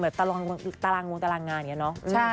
ตารางตารางวงตารางงานอย่างนี้เนอะ